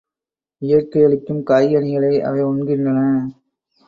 இயற்கையளிக்கும் காய்கனிகளை அவை உண்கின்றன.